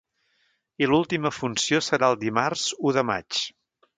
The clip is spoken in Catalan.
I l’última funció serà el dimarts u de maig.